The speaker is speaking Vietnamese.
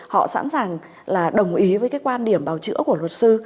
họ sẵn sàng là đồng ý với cái quan điểm bào chữa của luật sư